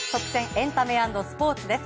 エンタメ＆スポーツです。